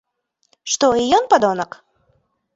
Што, і ён падонак?